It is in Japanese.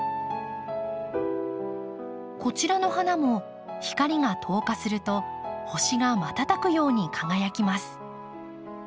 こちらの花も光が透過すると星が瞬くように輝きます。